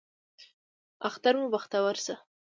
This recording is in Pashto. اختر مو بختور شه